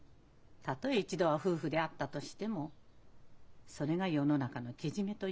たとえ一度は夫婦であったとしてもそれが世の中のけじめというものです。